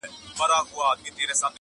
چي کرلي غزل ستوری په ا وبه کم,